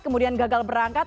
kemudian gagal berangkat